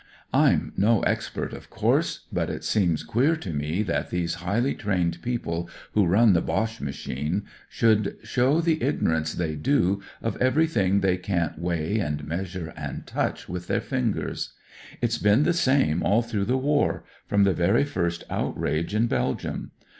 I'm no ex pert, of course ; but it seems queer to me that these highly trained people who run the Boche machine should show the igno rance they do of everything they can'^ weigh a measure and touch with their fingers, it's been the same all through the war, from the very first outrage in Belgium.